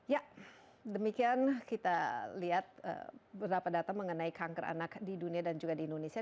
ya demikian kita lihat berapa data yang ada di indonesia